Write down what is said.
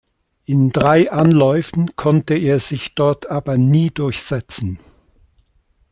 In drei Anläufen konnte er sich dort aber nie durchsetzen.